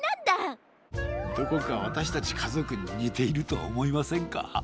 どこかわたしたちかぞくににているとおもいませんか？